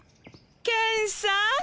ケンさん。